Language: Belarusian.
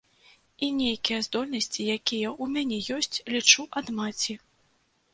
І нейкія здольнасці, якія ў мяне ёсць, лічу, ад маці.